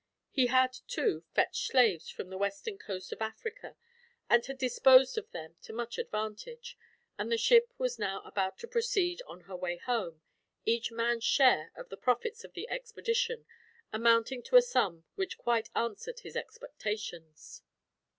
He had, too, fetched slaves from the western coast of Africa, and had disposed of them to much advantage; and the ship was now about to proceed on her way home, each man's share, of the profits of the expedition, amounting to a sum which quite answered his expectations.